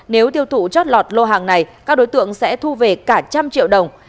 nếu tiêu thụ chót lọt lô hàng này các đối tượng sẽ thu về cả trăm triệu đồng